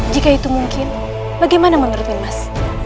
jika itu mungkin bagaimana menurutin mas